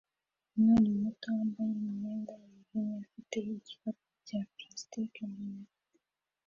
Umwana muto wambaye imyenda yijimye afite igikapu cya plastiki mu ntoki